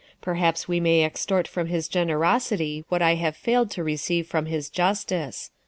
Per haps we may extort from his generosity what I have failed to receive from his justice."